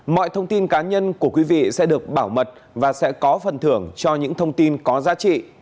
mọi thông tin cá nhân của quý vị sẽ được bảo mật và sẽ có phần thưởng cho những thông tin có giá trị